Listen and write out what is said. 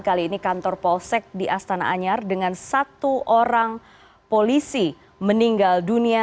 kali ini kantor polsek di astana anyar dengan satu orang polisi meninggal dunia